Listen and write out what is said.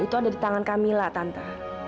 itu ada di tangan kamila tante